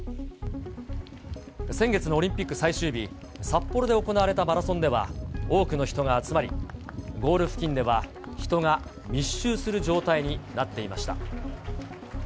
先月のオリンピック最終日、札幌で行われたマラソンでは、多くの人が集まり、ゴール付近では人が密集する状態になっていました。